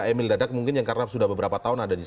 emil dardag mungkin karena sudah beberapa tahun ada